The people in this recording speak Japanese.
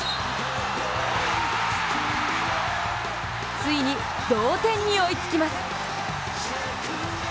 ついに同点に追いつきます。